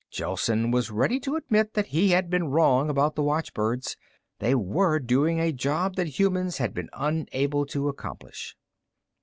Gelsen was ready to admit that he had been wrong about the watchbirds. They were doing a job that humans had been unable to accomplish.